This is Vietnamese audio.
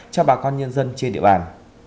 cho bà con nhân dân trên địa bàn